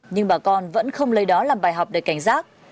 nhưng bà con vẫn không lấy đó làm bài học để cảnh giác